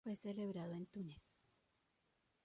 Fue celebrado en Túnez.